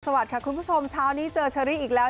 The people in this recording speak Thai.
สวัสดีค่ะคุณผู้ชมเช้านี้เจอเชอรี่อีกแล้ว